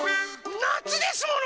なつですもの！